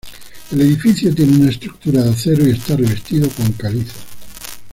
El edificio tiene una estructura de acero y está revestido con caliza.